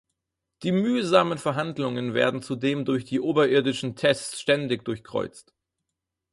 Die mühsamen Verhandlungen werden zudem durch die oberirdischen Tests ständig durchkreuzt.